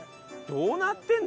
どうなってんの？